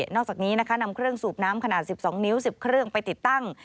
นอกจากนี้นะคะนำเครื่องสูบน้ำขนาด๑๒นิ้ว๑๐เครื่องไปติดตั้ง